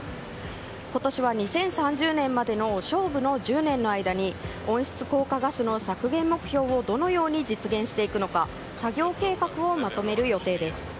今年は２０３０年までの勝負の１０年の間に温室効果ガスの削減目標をどのように実現するのか作業計画をまとめる予定です。